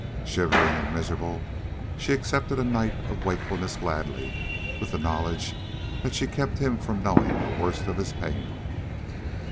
Shivering and miserable, she accepted a night of wakefulness gladly with the knowledge that she kept him from knowing the worst of his pain.